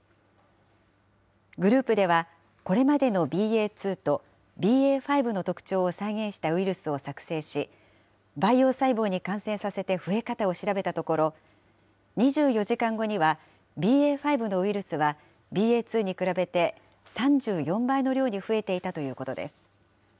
グループではこれまでのＢＡ．２と、ＢＡ．５の特徴を再現したウイルスを作製し、培養細胞に感染させて増え方を調べたところ、２４時間後には、ＢＡ．５のウイルスは、ＢＡ．２に比べて３４倍の量に増えていたということです。